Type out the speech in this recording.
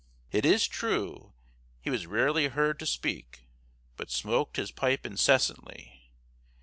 It is true, he was rarely heard to speak, but smoked his pipe incessantly.